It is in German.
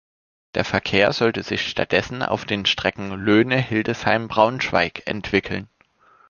Der Verkehr sollte sich stattdessen auf den Strecken Löhne–Hildesheim–Braunschweig entwickeln.